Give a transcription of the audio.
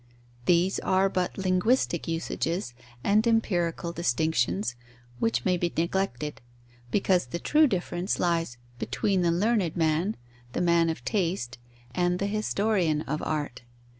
These are but linguistic usages and empirical distinctions, which may be neglected; because the true difference lies between the learned man, the man of taste, and the historian of art.